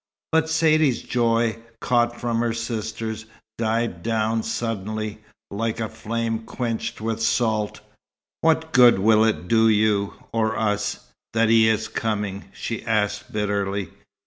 But Saidee's joy, caught from her sister's, died down suddenly, like a flame quenched with salt. "What good will it do you or us that he is coming?" she asked bitterly.